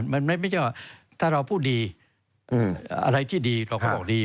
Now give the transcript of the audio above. มันไม่ใช่ว่าถ้าเราพูดดีอะไรที่ดีเราก็บอกดี